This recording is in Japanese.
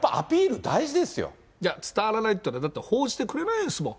伝わらないっていうのは、だって報じてくれないんですもん。